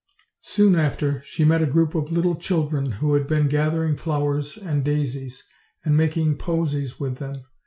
Soon after, she met a group of little children who had been gathering flowers and daisies, and making posies with them.